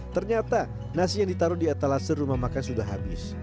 ternyata nasi yang ditaruh di atas rumah makan sudah habis